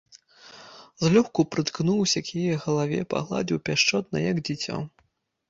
Злёгку прыткнуўся к яе галаве, пагладзіў пяшчотна, як дзіцё.